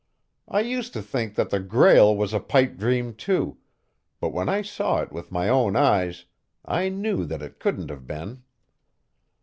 I used to think that the Grail was a pipe dream, too, but when I saw it with my own eyes, I knew that it couldn't have been.